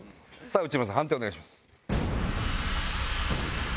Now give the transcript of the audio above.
内村さん判定をお願いします。